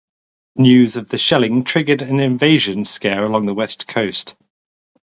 News of the shelling triggered an invasion scare along the West Coast.